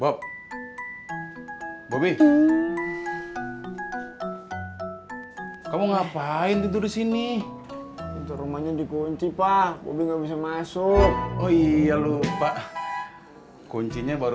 bob bobby kamu ngapain tidur di sini rumahnya dikunci pak bisa masuk oh iya lupa kuncinya baru